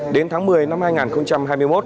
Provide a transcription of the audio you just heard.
đến tháng một mươi năm hai nghìn hai mươi một